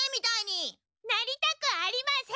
なりたくありません！